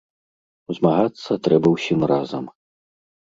Змагацца трэба ўсім разам!